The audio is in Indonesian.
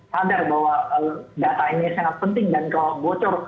sadar bahwa data ini sangat penting dan kalau bocor